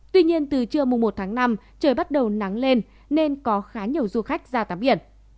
tuy nhiên từ trưa mùa một tháng năm trời bắt đầu nắng lên nên có khá nhiều du khách ra tắm biển